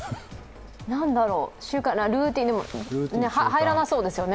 何だろう、ルーティーン入らなそうですよね。